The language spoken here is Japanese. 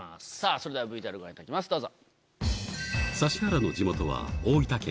それではＶＴＲご覧いただきますどうぞ！